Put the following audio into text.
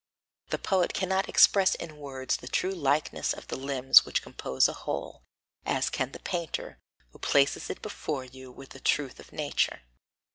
The poet cannot express in words the true likeness of the limbs which compose a whole, as can the painter, who places it before you with the truth of nature.